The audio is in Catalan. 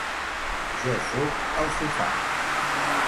Jo sóc al sofà.